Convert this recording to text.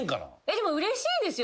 でもうれしいですよ。